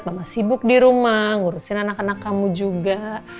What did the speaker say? mama sibuk di rumah ngurusin anak anak kamu juga